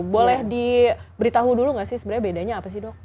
boleh diberitahu dulu nggak sih sebenarnya bedanya apa sih dok